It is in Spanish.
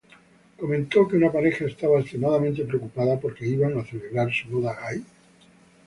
Comentó que una pareja estaba extremadamente preocupada, porque iban a celebrar su boda ahí.